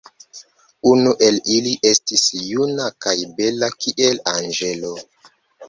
Unu el ili estis juna kaj bela kiel anĝelo.